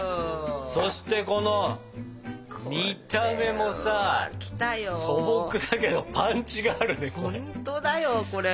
そしてこの見た目もさ素朴だけどパンチがあるねこれ。